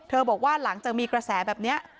บอกว่าหลังจากมีกระแสแบบนี้